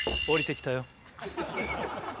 「降りてきた」？